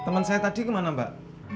teman saya tadi kemana mbak